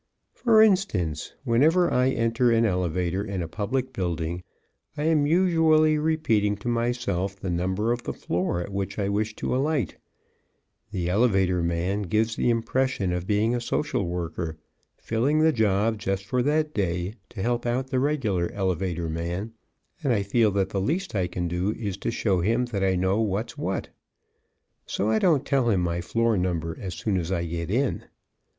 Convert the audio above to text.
For instance, whenever I enter an elevator in a public building I am usually repeating to myself the number of the floor at which I wish to alight. The elevator man gives the impression of being a social worker, filling the job just for that day to help out the regular elevator man, and I feel that the least I can do is to show him that I know what's what. So I don't tell him my floor number as soon as I get in.